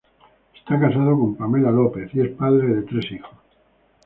Está casado con Pamela López y es padre de tres hijos.